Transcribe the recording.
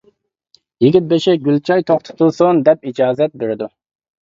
يىگىت بېشى «گۈل چاي توختىتىلسۇن» دەپ ئىجازەت بېرىدۇ.